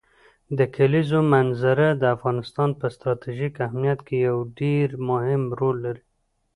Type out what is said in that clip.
د کلیزو منظره د افغانستان په ستراتیژیک اهمیت کې یو ډېر مهم رول لري.